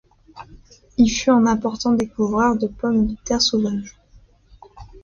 Il fut un important découvreur de pommes de terre sauvages.